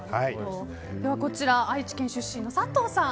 では愛知県出身の佐藤さん